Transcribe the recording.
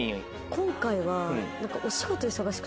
今回は。